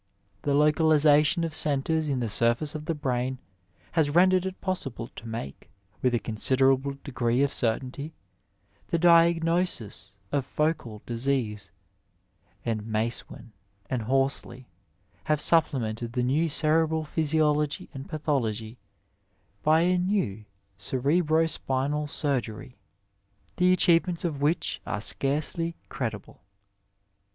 The localization of caitres in the surface of the brain has rendered it possible to make, with a considerable degree of certainty, the diagnosis of focal disease, and Macewen and Horsley have supplemented the new cerebral physiology and pathology by a new cerebro spinal surgery, the achievements of which are scarcely credible.